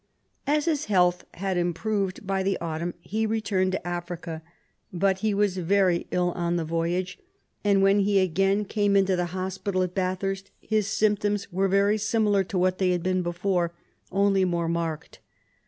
As his health had improved by the autumn he returned to Africa, but he was very ill on the voyage out, and when he again came into the hospital at Bathurst his symptoms were very similar to what they had been before, only more marked.